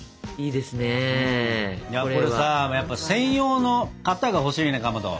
いやこれさやっぱ専用の型が欲しいねかまど。